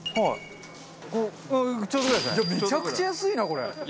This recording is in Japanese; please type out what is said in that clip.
いやめちゃくちゃ安いなこれ！